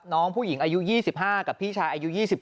น้องผู้หญิงอายุ๒๕กับพี่ชายอายุ๒๙